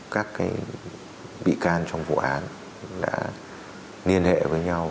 các bị can trong vụ án đã liên hệ với nhau